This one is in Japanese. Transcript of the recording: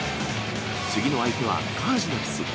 次の相手はカージナルス。